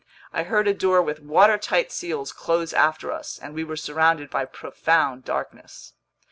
I heard a door with watertight seals close after us, and we were surrounded by profound darkness.